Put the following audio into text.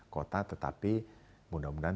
kota tetapi mudah mudahan